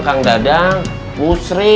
kang gadang bu sri